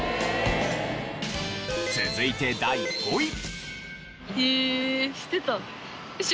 続いて第５位。